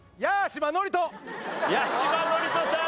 八嶋智人さん